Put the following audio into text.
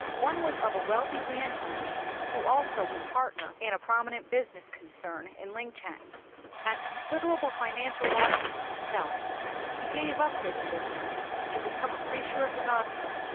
One was that of a wealthy landowner who also was partner in a prominent business concern in Linchang. At considerable financial loss to himself he gave up this business to become a preacher of the Gospel.